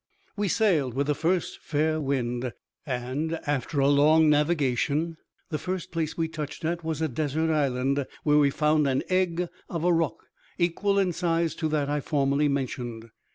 We sailed with the first fair wind, and, after a long navigation, the first place we touched at was a desert island, where we found an egg of a roc, equal in size to that I formerly mentioned.